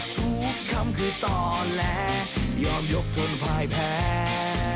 ทุกคำคือตอนและยอมยกจนฝ่ายแพ้